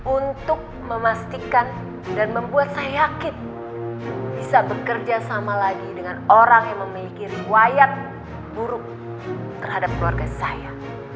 untuk memastikan dan membuat saya yakin bisa bekerja sama lagi dengan orang yang memiliki riwayat buruk terhadap keluarga saya